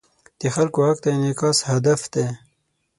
د خلکو غږ ته انعکاس هدف دی.